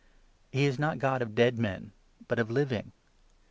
He is not God of dead men, but of living.